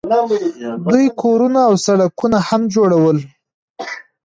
دوی کورونه او سړکونه هم جوړول.